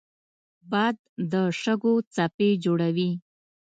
باد د شګو څپې جوړوي